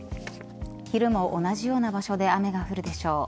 昼も同じような場所で雨が降るでしょう。